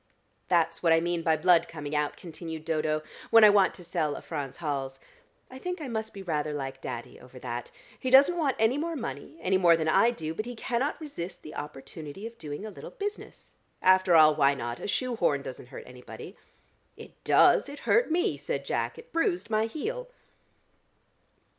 "That's what I mean by blood coming out," continued Dodo, "when I want to sell a Franz Hals. I think I must be rather like Daddy over that. He doesn't want any more money, any more than I do, but he cannot resist the opportunity of doing a little business. After all why not? A shoe horn doesn't hurt anybody." "It does: it hurt me!" said Jack. "It bruised my heel."